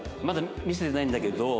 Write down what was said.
まだ見せてないんだけど。